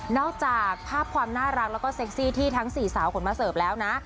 จากภาพความน่ารักแล้วก็เซ็กซี่ที่ทั้ง๔สาวขนมาเสิร์ฟแล้วนะ